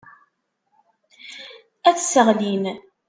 Ad t-sseɣlin.